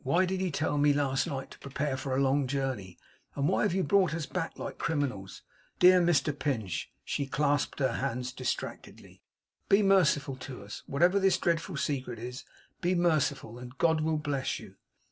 Why did he tell me last night to prepare for a long journey, and why have you brought us back like criminals? Dear Mr Pinch!' she clasped her hands distractedly, 'be merciful to us. Whatever this dreadful secret is, be merciful, and God will bless you!